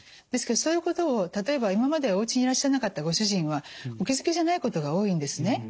ですけどそういうことを例えば今までおうちにいらっしゃらなかったご主人はお気付きじゃないことが多いんですね。